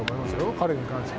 彼に関しては。